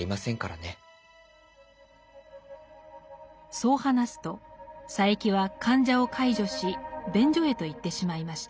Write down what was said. そう話すと佐柄木は患者を介助し便所へと行ってしまいました。